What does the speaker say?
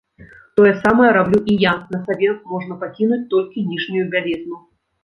Тое самае раблю і я, на сабе можна пакінуць толькі ніжнюю бялізну.